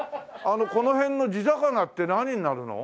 この辺の地魚って何になるの？